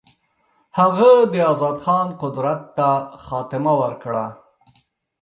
هغه د آزاد خان قدرت ته خاتمه ورکړه.